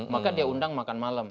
maka dia undang makan malam